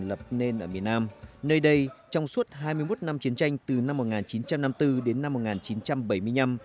lập nên ở miền nam nơi đây trong suốt hai mươi một năm chiến tranh từ năm một nghìn chín trăm năm mươi bốn đến năm một nghìn chín trăm bảy mươi năm